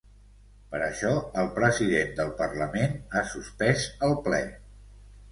Per això el president del parlament ha suspès el ple.